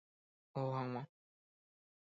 Oho hag̃ua.